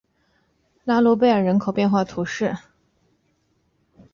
拉卢贝尔人口变化图示